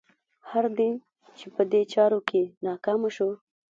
هر دین چې په دې چارو کې ناکامه شو.